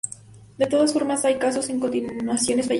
De todas formas hay casos de continuaciones fallidas.